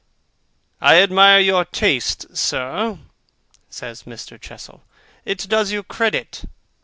'I admire your taste, sir,' says Mr. Chestle. 'It does you credit.